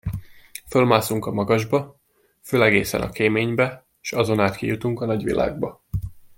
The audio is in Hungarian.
Fölmászunk a magasba, föl, egészen a kéménybe, s azon át kijutunk a nagyvilágba.